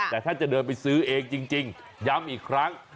แต่ถ้าจะเดินไปซื้อเองจริงย้ำอีกครั้ง